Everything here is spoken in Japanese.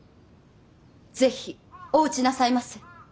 是非お討ちなさいませ。